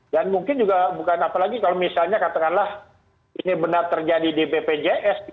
dan mungkin juga bukan apalagi kalau misalnya katakanlah ini benar terjadi di bpjs